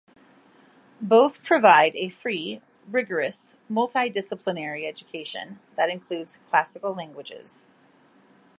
Both provide a free, rigorous, multi-disciplinary education that includes classical languages.